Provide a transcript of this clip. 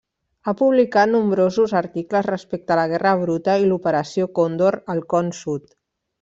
Ha publicat nombrosos articles respecte a la guerra bruta i l'Operació Còndor al Con Sud.